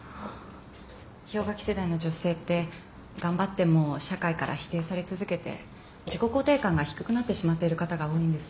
氷河期時代の女性って頑張っても社会から否定され続けて自己肯定感が低くなってしまっている方が多いんです。